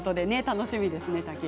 楽しみですね。